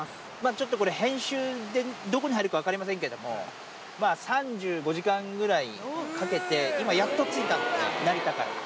ちょっとこれ、編集でどこに入るか分かりませんけれども、まあ３５時間ぐらいかけて、今、やっと着いたという、成田から。